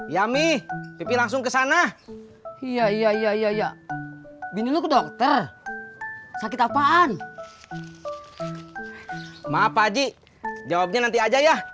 sampai jumpa di video selanjutnya